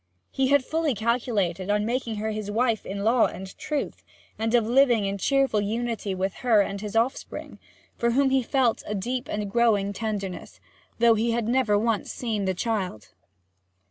He had fully calculated on making her his wife in law and truth, and of living in cheerful unity with her and his offspring, for whom he felt a deep and growing tenderness, though he had never once seen the child.